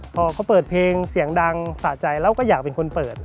พอเขาเปิดเพลงเสียงดังสะใจแล้วก็อยากเป็นคนเปิด